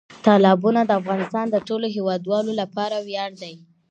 تالابونه د افغانستان د ټولو هیوادوالو لپاره ویاړ دی.